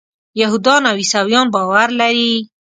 یهودان او عیسویان باور لري.